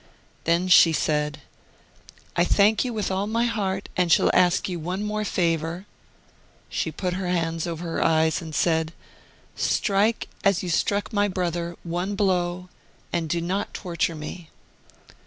Then she said : j I thank you with all my heart, and shall ask you one more favour '; she put her hands over her eyes and said :' Strike as you struck my brother, one blow, and do not torture me.'